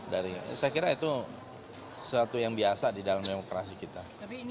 dari saya kira itu sesuatu yang biasa di dalam demokrasi kita